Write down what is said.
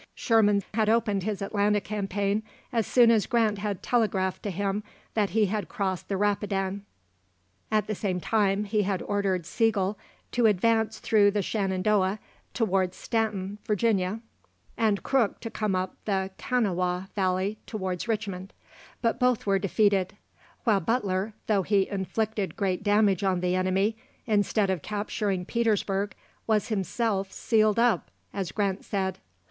Sherman had opened his Atlanta campaign as soon as Grant had telegraphed to him that he had crossed the Rapidan. At the same time, he had ordered Sigel to advance through the Shenandoah towards Stanton (Va.), and Crook to come up the Kanawha Valley towards Richmond, but both were defeated, while Butler, though he inflicted great damage on the enemy, instead of capturing Petersburg, was himself "sealed up," as Grant said.